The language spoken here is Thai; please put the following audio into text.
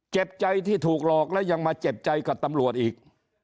เจ็บใจที่ถูกหลอกและยังมาเจ็บใจกับตำรวจอีก